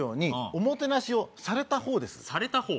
おもてなしをされた方ですされた方？